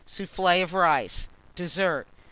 Soufflé of Rice. DESSERT. 2003.